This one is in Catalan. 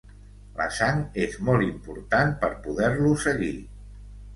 La sang és molt important per poder-lo seguir.